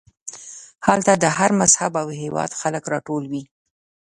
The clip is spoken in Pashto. هلته د هر مذهب او هېواد خلک راټول وي.